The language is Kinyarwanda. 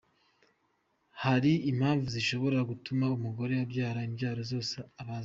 Hari impamvu zishobora gutuma umugore abyara ibyaro zose abazwe ?.